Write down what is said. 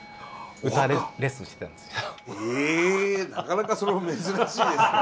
なかなかそれも珍しいですね。